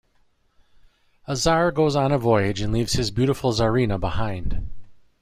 A tsar goes on a voyage and leaves his beautiful tsarina behind.